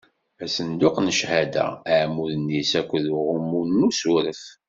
Asenduq n cchada, iɛmuden-is akked uɣummu n usuref.